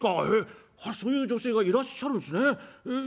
えっそういう女性がいらっしゃるんっすね。